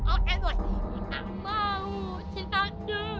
oke luas aku tak mau cinta ku